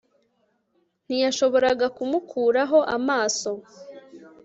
ntiyashoboraga kumukuraho amaso